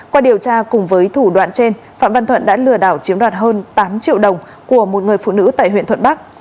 qua điều tra cùng với thủ đoạn trên phạm văn thuận đã lừa đảo chiếm đoạt hơn tám triệu đồng của một người phụ nữ tại huyện thuận bắc